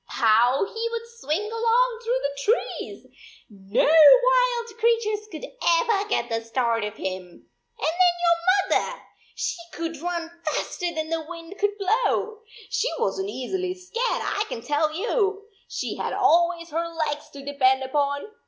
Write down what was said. How he could swing along through the trees ! No wild creatures could ever get the start of him. And then your mother ! She could run faster than the wind could blow. She was n t easily scared, I can tell you. She had always her legs to depend upon